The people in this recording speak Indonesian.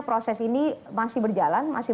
proses ini masih berjalan masih